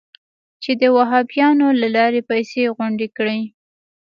چې د وهابیانو له لارې پیسې غونډې کړي.